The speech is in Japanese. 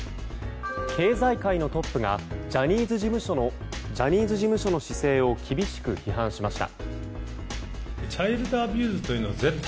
経済界のトップがジャニーズ事務所の姿勢を厳しく批判しました。